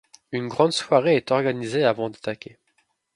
Une grande soirée est organisée avant d'attaquer.